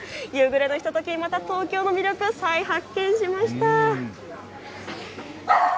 夕暮れのひととき、東京の魅力、また再発見しました。